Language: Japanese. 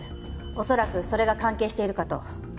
恐らくそれが関係しているかと。